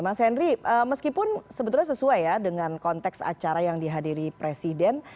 mas henry meskipun sebetulnya sesuai ya dengan konteks acara yang dihadiri presiden